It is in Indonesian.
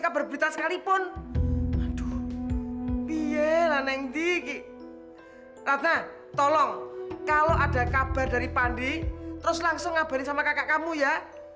kalau ada kabar dari pandi terus langsung ngabarin sama kakak kamu ya